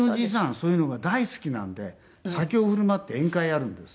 そういうのが大好きなんで酒を振る舞って宴会やるんですよ。